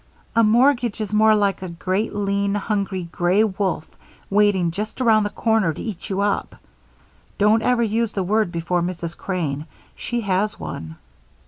"A mortgage is more like a great, lean, hungry, gray wolf waiting just around the corner to eat you up. Don't ever use the word before Mrs. Crane; she has one."